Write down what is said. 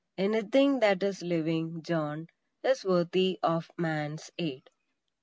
Anything that is living, John, is worthy of Man's aid."